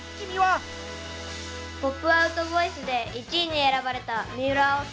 ポップアウトボイスで１位に選ばれた三浦碧斗